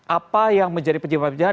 apa yang menjadi penjagaan penjagaan